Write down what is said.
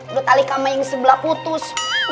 udah tali kamar yang sebelah putus